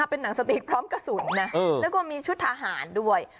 เป็นหนังสติกพร้อมกระสุนนะแล้วก็มีชุดทหารด้วย